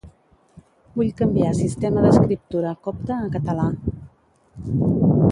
Vull canviar sistema d'escriptura copte a català.